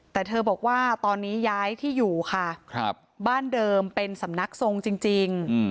แต่เธอบอกว่าตอนนี้ย้ายที่อยู่ค่ะบ้านเดิมเป็นสำนักทรงจริง